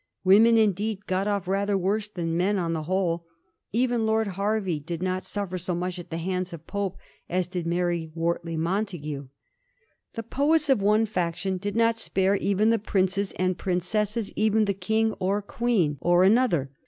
Women, indeed, got off rather worse than men on the whole ; even Lord Hervey did not suffer so much at the hands of Pope as did Mary Wortley Montagu. The poets of one faction did not spare even the princes and princesses, even the King or Queen, of another.